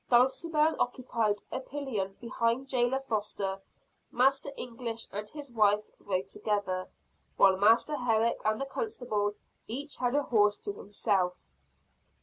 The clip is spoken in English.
Dulcibel occupied a pillion behind jailer Foster; Master English and his wife rode together; while Master Herrick and the constable each had a horse to himself.